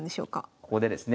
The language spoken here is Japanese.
ここでですね